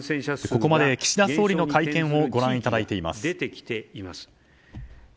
ここまで岸田総理の会見をご覧いただいています。